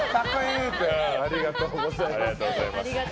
ありがとうございます。